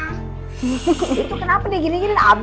itu kenapa deh gini gini abis akhirnya